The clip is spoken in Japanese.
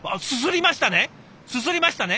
すすりましたね！